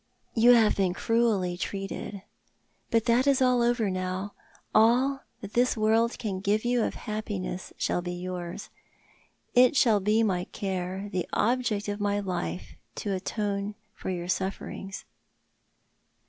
" You have been cruelly treated : but that is all over now. All that this world can give of happiness shall be yours. It shall be my care— the object of my life to atone for your .sufferings."